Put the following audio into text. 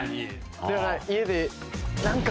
だから家で。